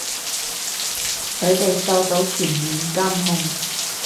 佢哋受到全面監控